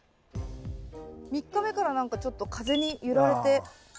３日目から何かちょっと風に揺られて。